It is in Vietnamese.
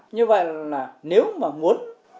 như vậy là nếu mà muốn